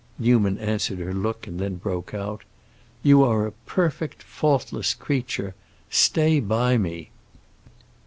Newman answered her look, and then broke out, "You are a perfect, faultless creature! Stay by me!"